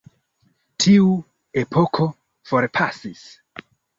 Tiu epoko forpasis.